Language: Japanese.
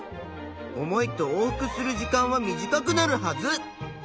重いと往復する時間は短くなるはず。